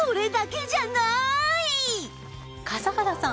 笠原さん